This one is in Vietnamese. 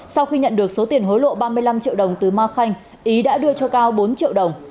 sau khi nhận được số tiền hối lộ ba mươi năm triệu đồng từ ma khanh ý đã đưa cho cao bốn triệu đồng